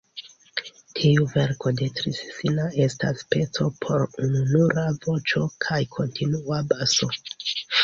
Tiu verko de Trissina estas peco por ununura voĉo kaj kontinua baso.